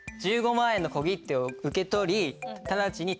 １５万円の小切手を受け取りただちに